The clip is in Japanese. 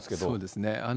そうですね。